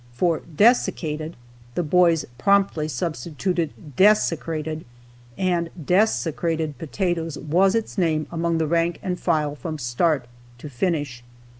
For "desiccated" the boys promptly substituted "desecrated," and "desecrated potatoes" was its name among the rank and file from start to finish.